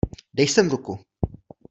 Dej sem ruku.